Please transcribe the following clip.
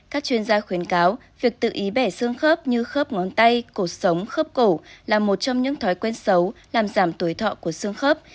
các chuyên gia khuyến cáo việc tự ý bẻ xương khớp như khớp ngón tay cổ sống khớp cổ là một trong những thói quen xấu làm giảm tuổi thọ của xương khớp